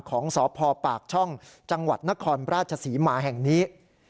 ของสพปากช่องจังหวัดนครราชศรีมาแห่งนี้